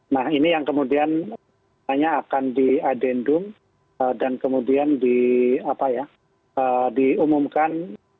nah ini yang kemudian hanya akan diadendum dan kemudian diumumkan